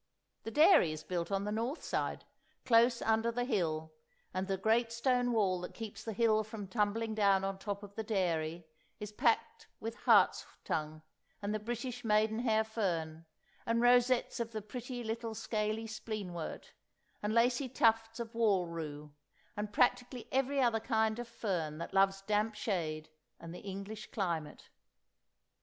The dairy is built on the north side, close under the hill, and the great stone wall that keeps the hill from tumbling down on top of the dairy is packed with hart's tongue and the British maiden hair fern, and rosettes of the pretty little scaly spleenwort, and lacy tufts of wall rue, and practically every other kind of fern that loves damp shade and the English climate.